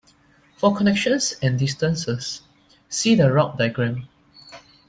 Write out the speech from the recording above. For connections and distances, see the route diagram.